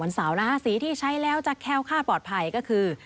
เสาร์นะคะสีที่ใช้แล้วจะแค้วค่าปลอดภัยก็คือ